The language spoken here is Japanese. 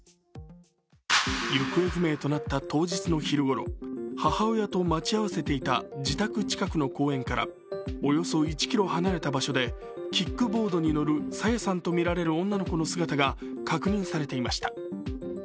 行方不明となった当日の昼ごろ母親と待ち合わせていた自宅近くの公園からおよそ１ｋｍ離れた場所でキックボードに乗る朝芽さんと見られる女の子の姿が確認されていました。